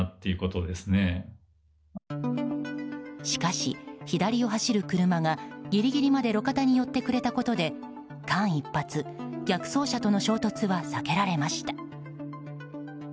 しかし、左を走る車がギリギリまで路肩に寄ってくれたことで間一髪逆走車との衝突は避けられました。